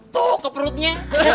tuh ke perutnya